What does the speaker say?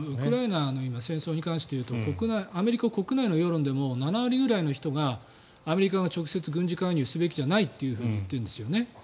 ウクライナに関して言うとアメリカの世論でも７割ぐらいの人がアメリカが直接軍事介入すべきじゃないって言っているんですね。